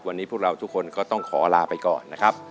วันนี้พวกเราทุกคนก็ต้องขอลาไปก่อนนะครับ